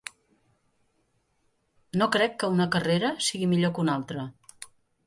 No crec que una carrera sigui millor que una altra.